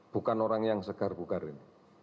bukan orang yang segar bukan